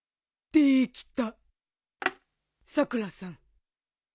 できた！